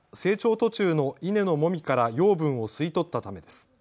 途中の稲のもみから養分を吸い取ったためです。